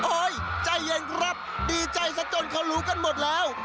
ใจเย็นครับดีใจซะจนเขารู้กันหมดแล้ว